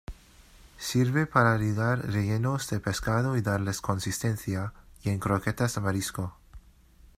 Sirve para ligar rellenos de pescado y darles consistencia, y en croquetas de marisco.